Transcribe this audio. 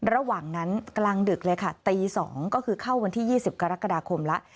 ระหว่างนั้นกลางดึกเลยค่ะตี๒ก็คือเข้าวันที่๒๐กรกฎาคมแล้ว